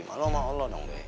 malu sama allah dong be